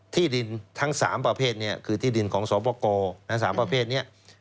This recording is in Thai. ที่ดินทั้ง๓ประเภทนี้คือที่ดินของสวปกร๓ประเภทนี้